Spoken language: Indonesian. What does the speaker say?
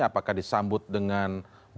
apakah disambut dengan baik